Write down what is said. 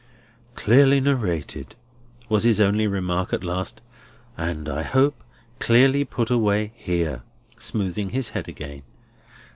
"Clearly narrated," was his only remark at last, "and, I hope, clearly put away here," smoothing his head again.